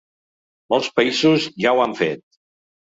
Molts països ja ho han fet.